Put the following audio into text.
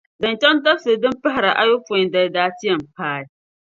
Zaŋ chaŋ dabisili din pahiri ayopɔin dali daa ti yɛn paai.